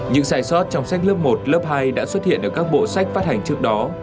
những sai sót trong sách lớp một lớp hai đã xuất hiện ở các bộ sách phát hành trước đó